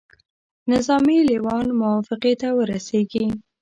نظامي لېوان موافقې ته ورسیږي.